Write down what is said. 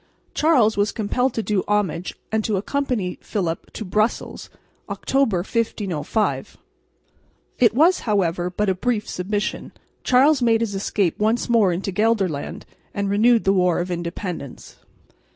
Charles was compelled to do homage and to accompany Philip to Brussels (October, 1505). It was, however, but a brief submission. Charles made his escape once more into Gelderland and renewed the war of independence.